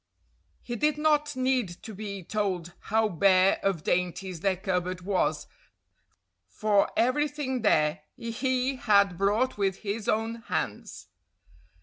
He did not need to be told how bare of dainties their cupboard was, for everything there he had brought with his own hands.